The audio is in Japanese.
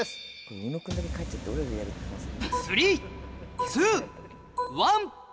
宇野君だけ帰っちゃって俺らがやる可能性。